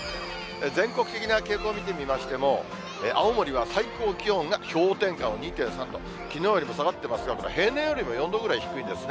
全国的な傾向を見てみましても、青森は最高気温が氷点下の２．３度、きのうよりも下がってますが、これ平年よりも４度ぐらい低いんですね。